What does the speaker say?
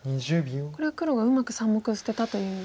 これは黒がうまく３目捨てたという。